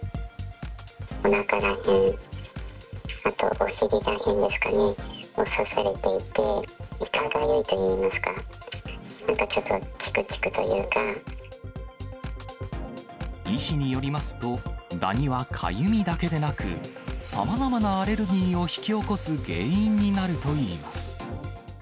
おなから辺、あとお尻ら辺ですかね、刺されていて、いたかゆいといいますか、医師によりますと、ダニはかゆいだけでなく、さまざまなアレルギーを引き起こす原因になるといいます。